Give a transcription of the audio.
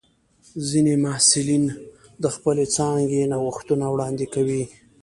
ځینې محصلین د خپلې څانګې نوښتونه وړاندې کوي.